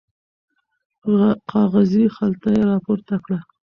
کاغذي خلطه یې راپورته کړه.